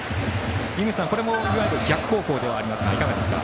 井口さん、これも逆方向ではありますが、いかがですか？